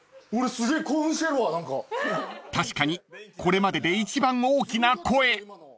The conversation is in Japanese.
［確かにこれまでで一番大きな声］